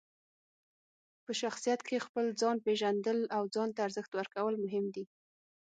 په شخصیت کې خپل ځان پېژندل او ځان ته ارزښت ورکول مهم دي.